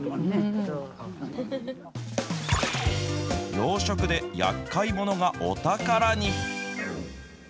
養殖でやっかい者がお宝に。